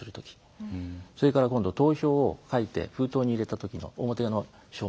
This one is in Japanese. それから投票を書いて封筒に入れた時の表の署名。